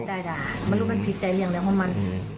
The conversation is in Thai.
เออติดป้ายด่ามันรู้มันผิดใจเรียงอะไรของมัน